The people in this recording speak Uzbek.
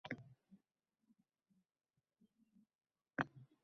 har oylik ustamalar belgilash tartibi mavjudmi?